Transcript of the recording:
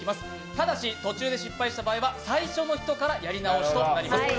ただし途中で失敗した場合は最初の人からやり直しとなります。